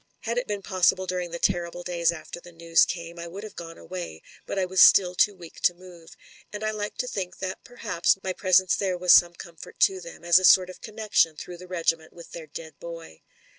Had it been possible during the terrible days after the news came, I would have gone away, but I was still too weak to move; and I like to think that, per haps, my presence there was some comfort to them, as a sort of connection through the regiment with their dead boy.